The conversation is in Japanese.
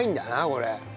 これ。